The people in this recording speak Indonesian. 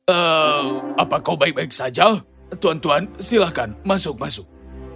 eee apa kau baik baik saja tuan tuan silahkan masuk masuk